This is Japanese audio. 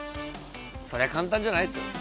そりゃ簡単じゃないですよね。